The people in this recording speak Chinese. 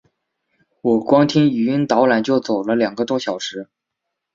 我光听语音导览就走了两个多小时